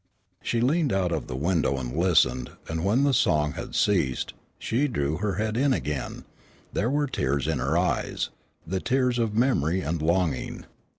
She leaned out of the window and listened and when the song had ceased and she drew her head in again, there were tears in her eyes the tears of memory and longing.